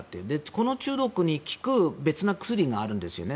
この中毒に効く別の薬があるんですよね。